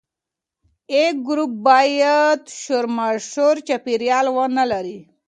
A ګروپ باید شورماشور چاپیریال ونه لري.